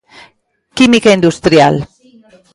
Química industrial.